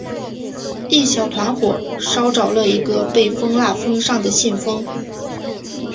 一小团火烧着了一个被封蜡封上的信封。